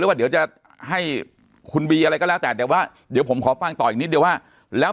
ว่าเดี๋ยวจะให้คุณบีอะไรก็แล้วแต่แต่ว่าเดี๋ยวผมขอฟังต่ออีกนิดเดียวว่าแล้ว